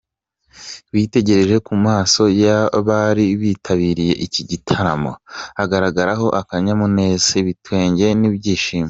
Witegereje ku maso y’abari bitabiriye iki gitaramo, hagaragaragaho akanyamuneza, ibitwenge n’ibyishimo.